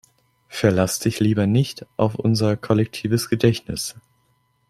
Verlass dich lieber nicht auf unser kollektives Gedächtnis!